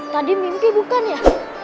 tadi mimpi bukan ya